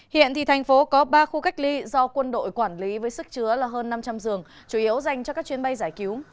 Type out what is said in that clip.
hiện thành phố có ba khu cách ly do quân đội quản lý với sức chứa là hơn năm trăm linh giường chủ yếu dành cho các chuyến bay giải cứu